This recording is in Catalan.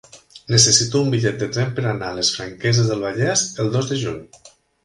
Necessito un bitllet de tren per anar a les Franqueses del Vallès el dos de juny.